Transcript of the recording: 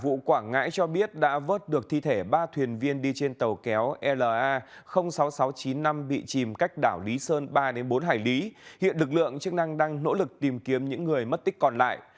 vụ quảng ngãi cho biết đã vớt được thi thể ba thuyền viên đi trên tàu kéo la sáu nghìn sáu trăm chín mươi năm bị chìm cách đảo lý sơn ba bốn hải lý hiện lực lượng chức năng đang nỗ lực tìm kiếm những người mất tích còn lại